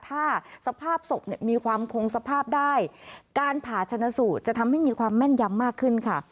ถ้าสภาพศพเนี่ยมีความคงสภาพได้การผ่าชนสูตรจะทำให้มีความแม่นยำมากขึ้นค่ะ